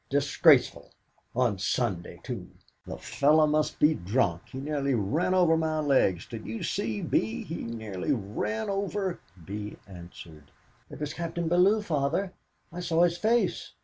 Disgraceful! On Sunday, too! The fellow must be drunk; he nearly ran over my legs. Did you see, Bee, he nearly ran over " Bee answered: "It was Captain Bellew, Father; I saw his face."